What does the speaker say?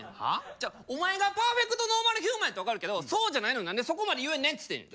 じゃあお前がパーフェクトノーマルヒューマンやったら分かるけどそうじゃないのに何でそこまで言えんねんっつってんねん。